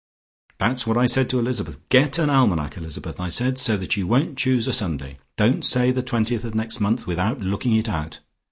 "That's what I said to Elizabeth. 'Get an almanack, Elizabeth,' said I, 'so that you won't choose a Sunday. Don't say the 20th of next month without looking it out.